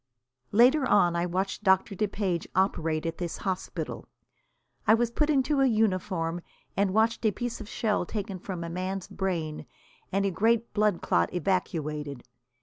Later on I watched Doctor DePage operate at this hospital. I was put into a uniform, and watched a piece of shell taken from a man's brain and a great blood clot evacuated.